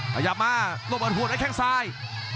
ขยับมาโรเบิร์ตอธัวร์ดไอ้แค่งซ้าย